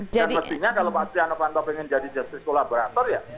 dan pentingnya kalau pak stianofanto pengen jadi justice collaborator ya